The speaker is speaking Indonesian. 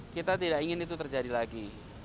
kita tidak ingin itu terjadi lagi